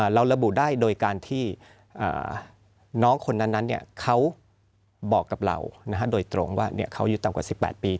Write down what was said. ระบุได้โดยการที่น้องคนนั้นเขาบอกกับเราโดยตรงว่าเขาอายุต่ำกว่า๑๘ปี